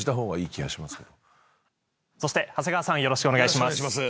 そして長谷川さんお願いします。